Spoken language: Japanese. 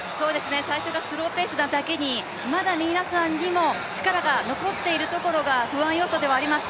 最初がスローペースなだけに、まだ皆さんにも力が残っているところが不安要素ではあります。